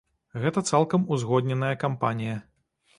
Гэта цалкам узгодненая кампанія.